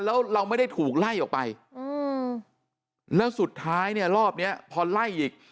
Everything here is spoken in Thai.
แล้วเราไม่ได้ถูกไล่ออกไปอืมแล้วสุดท้ายเนี่ยรอบเนี้ยพอไล่อีก